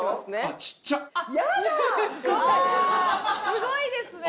すごいですね。